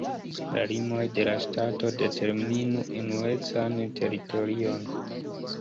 La limoj de la ŝtato determinu unuecan teritorion.